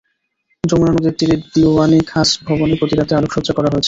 যমুনা নদীর তীরে দিওয়ান-ই-খাস ভবনে প্রতি রাতে আলোকসজ্জা করা হয়েছিলো।